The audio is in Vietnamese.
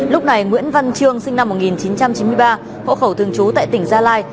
lúc này nguyễn văn trương sinh năm một nghìn chín trăm chín mươi ba hộ khẩu thường trú tại tỉnh gia lai